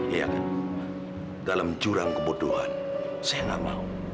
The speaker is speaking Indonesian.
iya kan dalam jurang kebodohan saya nggak mau